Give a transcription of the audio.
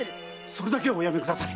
それだけはおやめくだされ。